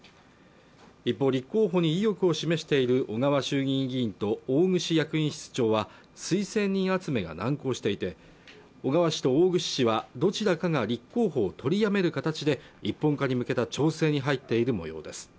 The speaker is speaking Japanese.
一方立候補に意欲を示している小川衆議院議員と大串役員室長は推薦人集めが難航していて小川氏と大串氏はどちらかが立候補を取りやめる形で１本化に向けた調整に入っている模様です